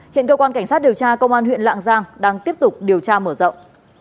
hiện cơ quan cảnh sát điều tra công an huyện lạng giang đang tiếp tục điều tra mở rộng